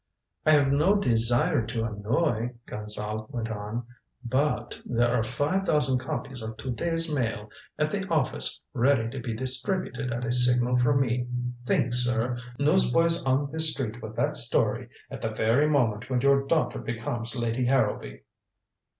"I have no desire to annoy," Gonzale went on. "But there are five thousand copies of to day's Mail at the office ready to be distributed at a signal from me. Think, sir! Newsboys on the street with that story at the very moment when your daughter becomes Lady Harrowby."